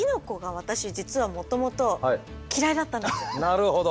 なるほど。